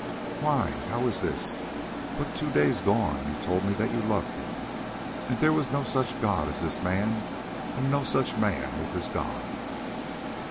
"Why, how is this? But two days gone you told me that you loved him, and that there was no such god as this man, and no such man as this god."